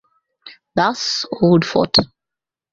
Thus, Old Fort.